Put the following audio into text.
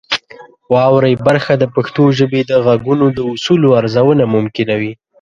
واورئ برخه د پښتو ژبې د غږونو د اصولو ارزونه ممکنوي.